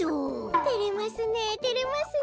てれますねてれますね。